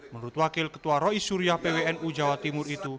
menurut wakil ketua roi surya pwnu jawa timur